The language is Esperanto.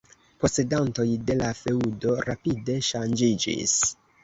Posedantoj de la feŭdo rapide ŝanĝiĝis.